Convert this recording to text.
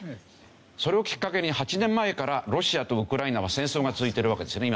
それをきっかけに８年前からロシアとウクライナは戦争が続いているわけですね